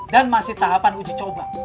dan masih tahapan uji coba